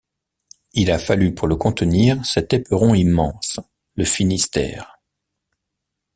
Il a fallu pour le contenir cet éperon immense, le Finistère.